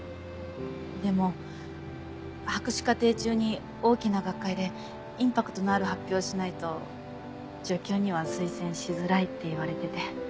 でも博士課程中に大きな学会でインパクトのある発表をしないと助教には推薦しづらいって言われてて。